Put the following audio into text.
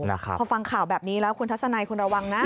พอฟังข่าวแบบนี้แล้วคุณทัศนัยคุณระวังนะ